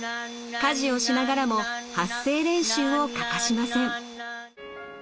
家事をしながらも発声練習を欠かしません。